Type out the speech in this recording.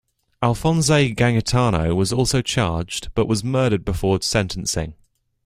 Alphonse Gangitano was also charged but was murdered before sentencing.